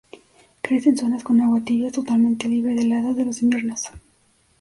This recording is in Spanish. Crece en zonas con agua tibia, totalmente libre de heladas de los inviernos.